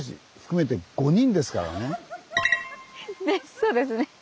そうですね。